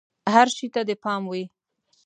هر شي ته دې پام وي!